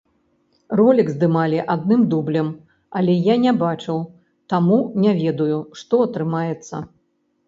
Ролік здымалі адным дублем, але я не бачыў, таму не ведаю, што атрымаецца.